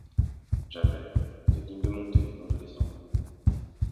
Javert, vous êtes digne de monter et non de descendre.